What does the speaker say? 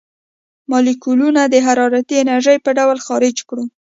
مالیکولونه د حرارتي انرژۍ په ډول خارج کړو.